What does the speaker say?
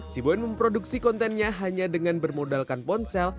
si boen memproduksi kontennya hanya dengan bermodalkan ponsel